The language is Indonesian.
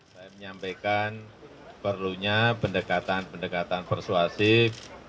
saya menyampaikan perlunya pendekatan pendekatan persuasif